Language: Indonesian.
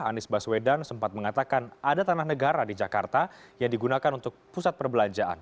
anies baswedan sempat mengatakan ada tanah negara di jakarta yang digunakan untuk pusat perbelanjaan